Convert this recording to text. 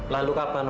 lalu kapan okta